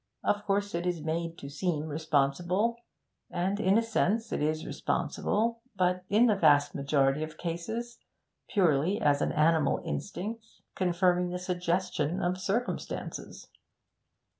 Of course it is made to seem responsible, and in a sense it is responsible, but, in the vast majority of cases, purely as an animal instinct, confirming the suggestion of circumstances.'